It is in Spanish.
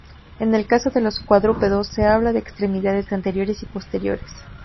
En el caso de los cuadrúpedos, se habla de extremidades anteriores y posteriores.